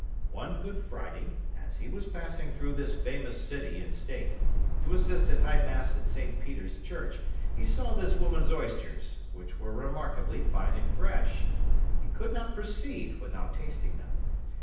One Good Friday, as he was passing through this famous city in state, to assist at high mass at St. Peter's Church, he saw this woman's oysters (which were remarkably fine and fresh); he could not proceed without tasting them.